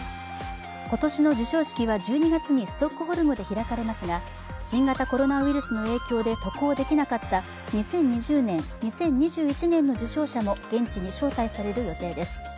今年の授賞式は１２月にストックホルムで開かれますが新型コロナウイルスの影響で渡航できなかった２０２０年、２０２１年の受賞者も現地に招待される予定です。